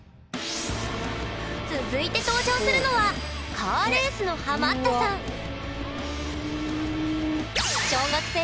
続いて登場するのはカーレースのハマったさん小学生？